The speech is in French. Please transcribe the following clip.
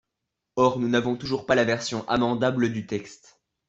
Or nous n’avons toujours pas la version amendable du texte.